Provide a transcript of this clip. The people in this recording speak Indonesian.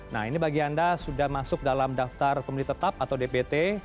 nah ini bagi anda sudah masuk dalam daftar pemilih tetap atau dpt